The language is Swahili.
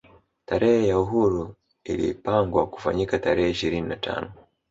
Tarehe ya uhuru ilapangwa kufanyika tarehe ishirini na tano